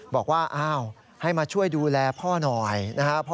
บอกว่าอ้าวให้มาช่วยดูแลพ่อหน่อยนะครับ